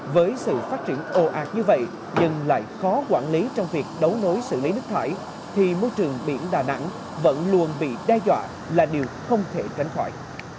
với sự phát triển ồ ạt như vậy nhưng lại khó quản lý trong việc đấu nối xử lý nước thải thì môi trường biển đà nẵng vẫn luôn bị đe dọa là điều không thể tránh khỏi